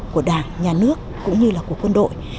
của đảng nhà nước cũng như là của quân đội